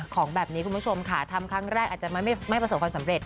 ของแบบนี้คุณผู้ชมค่ะทำครั้งแรกอาจจะไม่ประสบความสำเร็จ